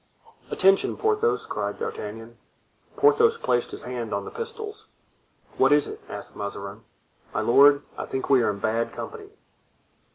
"Attention, Porthos!" cried D'Artagnan. Porthos placed his hand on the pistols. "What is it?" asked Mazarin. "My lord, I think we are in bad company."